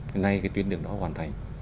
hôm nay cái tuyến đường đó hoàn thành